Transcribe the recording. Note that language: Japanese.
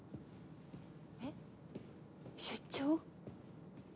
えっ？出張？